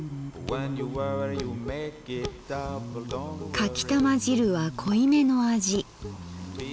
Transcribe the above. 「かきたま汁は濃い目の味。